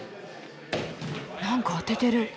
なんか当ててる。